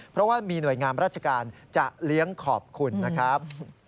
เพราะว่ามีหน่วยงามราชการจะเลี้ยงขอบคุณนะครับ